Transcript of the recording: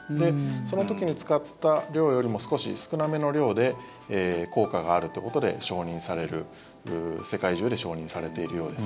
その時に使った量よりも少し少なめの量で効果があるということで承認される世界中で承認されているようです。